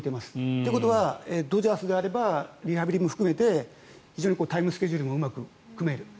ということはドジャースであればリハビリも含めて非常にタイムスケジュールもうまく組める。